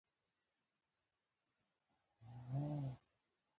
خو څه موده وروسته ولیدل شول